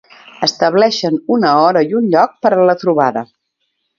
Estableixen una hora i un lloc per a la trobada.